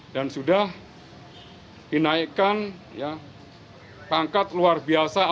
dan sudah dinaikkan ya pangkat luar biasa